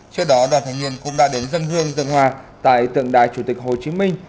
trước đó đoàn thanh niên cũng đã đến dân hương dân hòa tại tượng đài chủ tịch hồ chí minh